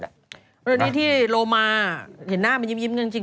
เรื่องนี้ที่โรมาเห็นหน้ามันยิ้มจริง